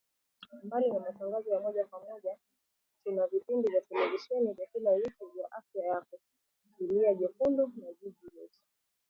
Mbali na matangazo ya moja kwa moja tuna vipindi vya televisheni vya kila wiki vya Afya Yako, Zulia Jekundu na jiji letu.